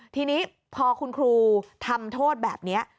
ทีนี้พอคุณครูทำโทษแบบนี้